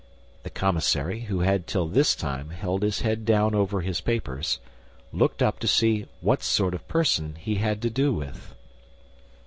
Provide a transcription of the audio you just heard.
The commissary, who had till this time held his head down over his papers, looked up to see what sort of person he had to do with.